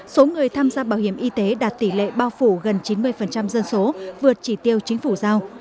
số người tham gia bảo hiểm y tế đạt tỷ lệ bao phủ gần chín mươi dân số vượt chỉ tiêu chính phủ giao